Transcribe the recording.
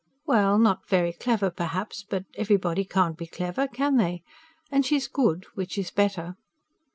Well, not very clever, perhaps. But everybody can't be clever, can they? And she's good which is better.